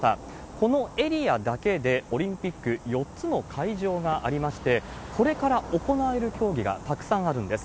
このエリアだけで、オリンピック４つの会場がありまして、これから行われる競技がたくさんあるんです。